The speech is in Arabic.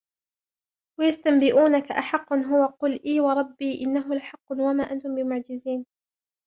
ويستنبئونك أحق هو قل إي وربي إنه لحق وما أنتم بمعجزين